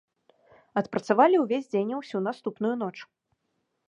Адпрацавалі ўвесь дзень і ўсю наступную ноч.